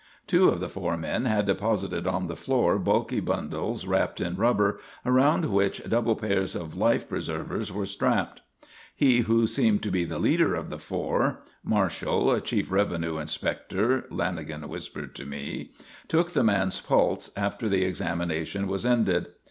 Two of the four men had deposited on the floor bulky bundles wrapped in rubber, around which double pairs of life preservers were strapped. He who seemed to be the leader of the four ("Marshall, chief revenue inspector," Lanagan whispered to me), took the man's pulse after the examination was ended.